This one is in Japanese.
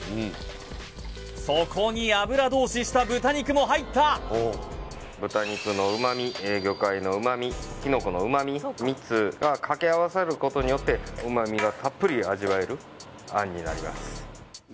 そこに油通しした豚肉も入った豚肉の旨味魚介の旨味きのこの旨味３つがかけ合わされることによって旨味がたっぷり味わえる餡になります